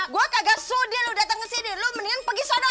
gue kagak sudi lo datang kesini lo mendingan pergi sana